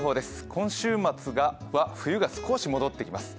今週末は冬が少し戻ってきます。